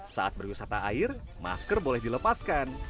saat berwisata air masker boleh dilepaskan